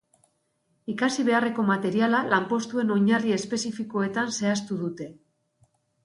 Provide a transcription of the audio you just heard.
Ikasi beharreko materiala lanpostuen oinarri espezifikoetan zehaztu dute.